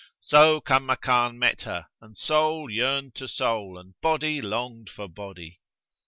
So Kanmakan met her, and soul yearned to soul and body longed for body.